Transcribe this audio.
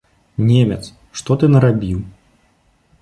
Немец, што ты нарабіў!